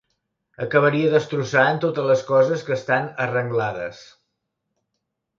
Acabaria destrossant totes les coses que estan arreglades.